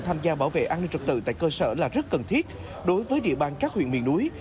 tham gia bảo vệ an ninh trật tự tại cơ sở là rất cần thiết đối với địa bàn các huyện miền núi